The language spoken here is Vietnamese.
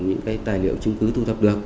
những tài liệu chứng cứ thu thập được